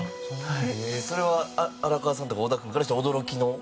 それは荒川さんとか織田君からしたら驚きの？